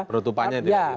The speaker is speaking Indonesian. penutupannya tidak dilibatkan